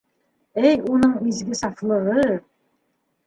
Эй, уның изге сафлығы!